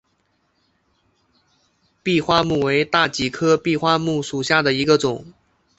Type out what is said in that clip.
闭花木为大戟科闭花木属下的一个种。